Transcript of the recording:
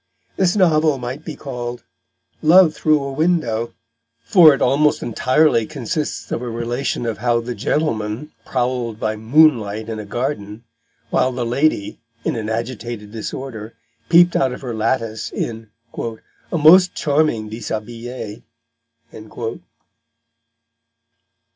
This novel might be called Love Through a Window; for it almost entirely consists of a relation of how the gentleman prowled by moonlight in a garden, while the lady, in an agitated disorder, peeped out of her lattice in "a most charming Dishabillée."